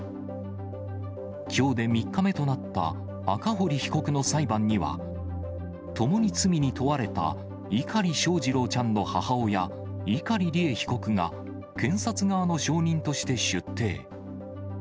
きょうで３日目となった赤堀被告の裁判には、ともに罪に問われた碇翔士郎ちゃんの母親、碇利恵被告が、検察側の証人として出廷。